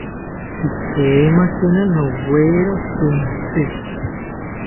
Pikeimakina nowero shintzi